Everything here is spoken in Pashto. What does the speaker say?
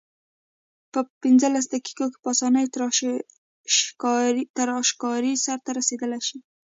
په پنځلس دقیقو کې په اسانۍ تراشکاري سرته رسیدلای شي.